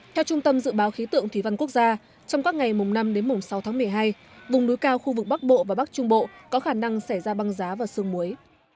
theo trung tâm dự báo khí tượng thủy văn quốc gia trong các ngày mùng năm đến mùng sáu tháng một mươi hai vùng núi cao khu vực bắc bộ và bắc trung bộ có khả năng xảy ra băng giá và sương muối